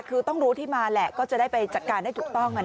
คือต้องรู้ที่มาแหละก็จะได้ไปจัดการได้ถูกต้อง